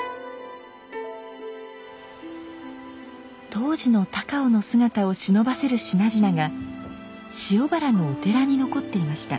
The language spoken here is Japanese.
当時の高尾の姿をしのばせる品々が塩原のお寺に残っていました。